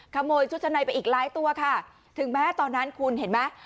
ขโมยชุดชั้นในไปอีกหลายตัวค่ะถึงแม้ตอนนั้นคุณเห็นไหม